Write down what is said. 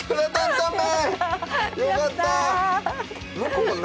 よかった。